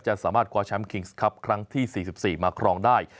สามารถคว้าแชมป์คิงส์ครับครั้งที่๔๔มาครองได้